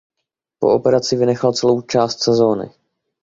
Po operaci vynechal celou část sezóny.